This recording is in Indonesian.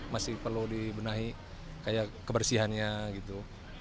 masih perlu dibenahi kayak kebersihannya gitu